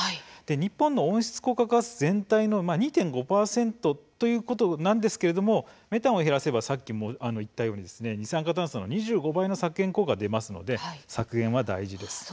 日本の温室効果ガス全体の２．５％ということなんですけれどもメタンを減らせばさっきも言ったように二酸化炭素の２５倍の削減効果が出ますので削減は大事です。